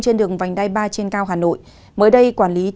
trên đường vành đai ba trên cao hà nội